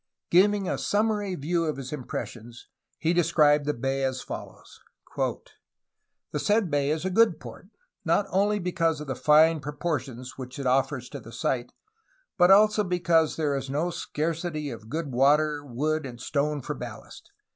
'' Giving a summary view of his impressions, he described the bay as follows : "The said bay is a good port, not only because of the fine propor tions which it offers to the sight, but also because there is no scar city of good water, wood, and stone for ballast.